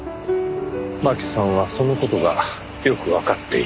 真紀さんはその事がよくわかっていた。